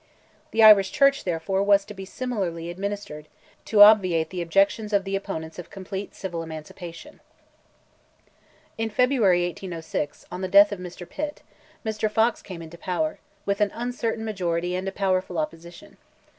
The Irish Church, therefore, was to be similarly administered, to obviate the objections of the opponents of complete civil emancipation. In February, 1806, on the death of Pitt, Mr. Fox came into power, with an uncertain majority and a powerful opposition.